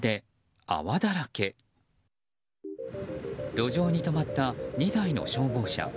路上に止まった２台の消防車。